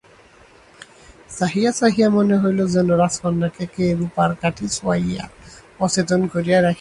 চাহিয়া চাহিয়া মনে হইল যেন রাজকন্যাকে কে রূপার কাঠি ছোঁয়াইয়া অচেতন করিয়া রাখিয়া গিয়াছে।